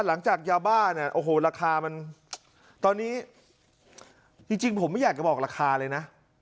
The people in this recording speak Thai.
หลังจากยาบ้าเนี่ยโอ้โหราคามันตอนนี้จริงผมไม่อยากจะบอกราคาเลยนะ